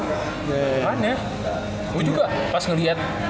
gue juga pas ngeliat